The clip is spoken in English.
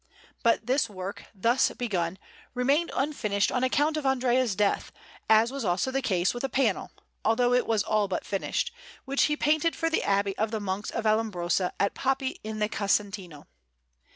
But this work, thus begun, remained unfinished on account of Andrea's death, as was also the case with a panel although it was all but finished which he painted for the Abbey of the Monks of Vallombrosa at Poppi in the Casentino.